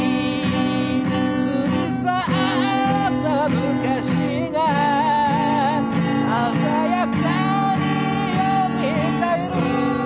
「過ぎ去った昔が鮮やかによみがえる」